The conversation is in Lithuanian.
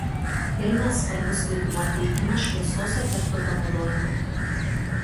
Filme svarbus vaidmuo teikiamas šviesos efektų panaudojimui.